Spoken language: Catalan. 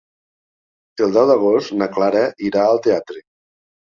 El deu d'agost na Clara irà al teatre.